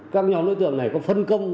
các nhóm đối tượng này có phân công